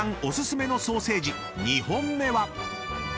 お薦めのソーセージ２本目は？］